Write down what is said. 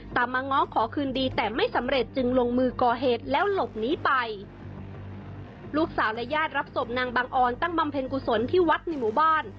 ตามมาง้อขอคืนดีแต่ไม่สำเร็จจึงลงมือก่อเหตุแล้วหลบหนีไปลูกสาวและญาติรับศพนางบังออนตั้งบำเพ็ญกุศลที่วัดในหมู่บ้าน